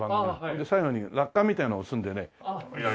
で最後に落款みたいなのを押すんでね。